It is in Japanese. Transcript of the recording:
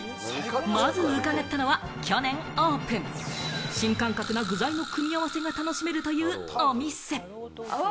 まず伺ったのは去年オープン、新感覚な具材の組み合わせが楽しめるというお店。わ！